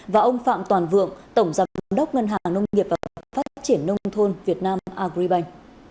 và ông phạm toàn vượng tổng giám đốc ngân hàng nông nghiệp và phát triển nông thôn việt nam agribank